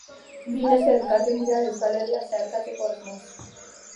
Bi neska elkartzen dira Euskal Herria zeharkatzeko asmoz.